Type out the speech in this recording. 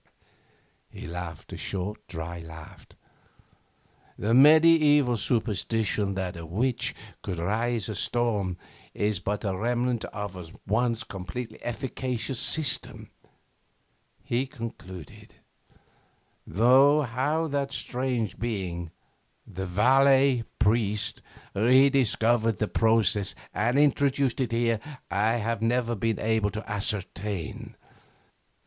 He laughed a short dry laugh. 'The mediaeval superstition that a witch could raise a storm is but a remnant of a once completely efficacious system,' he concluded, 'though how that strange being, the Valais priest, rediscovered the process and introduced it here, I have never been able to ascertain.